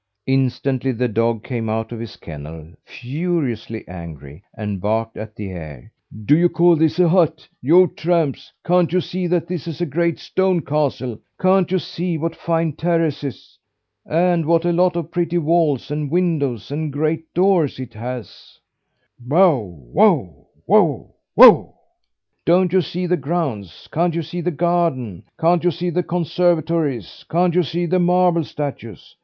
Instantly the dog came out of his kennel furiously angry and barked at the air. "Do you call this a hut, you tramps! Can't you see that this is a great stone castle? Can't you see what fine terraces, and what a lot of pretty walls and windows and great doors it has, bow, wow, wow, wow? Don't you see the grounds, can't you see the garden, can't you see the conservatories, can't you see the marble statues?